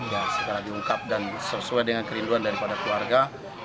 ya segera diungkap dan sesuai dengan kerinduan daripada keluarga